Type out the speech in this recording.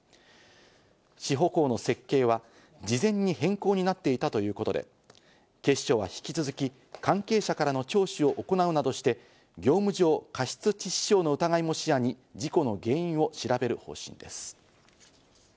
支保工の設計は、事前に変更になっていたということで、警視庁は引き続き、関係者からの聴取を行うなどして、業務上過失致死傷の疑いも視野に事故の原因を調べる方針です。